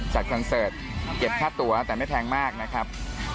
คอนเสิร์ตเก็บค่าตัวแต่ไม่แพงมากนะครับ